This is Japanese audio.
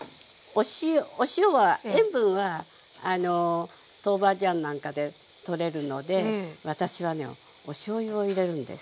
お塩は塩分は豆板醤なんかでとれるので私はねおしょうゆを入れるんです。